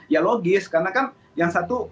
ya logis karena kan yang satu